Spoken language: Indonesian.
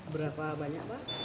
berapa banyak pak